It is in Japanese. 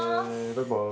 バイバイ。